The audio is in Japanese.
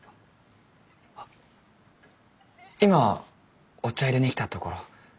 今お茶いれに来たところ。